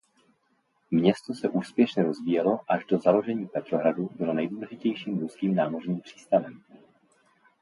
Město se úspěšně rozvíjelo a až do založení Petrohradu bylo nejdůležitějším ruským námořním přístavem.